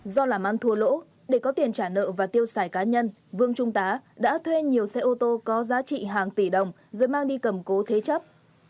do làm ăn thua lỗ để có tiền trả nợ và tiêu xài cá nhân vương trung tá đã thuê nhiều xe ô tô có giá trị hàng tỷ đồng rồi mang đi cầm cố thế chấp